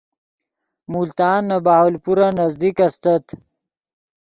ملتان نے بہاولپورن نزدیک استت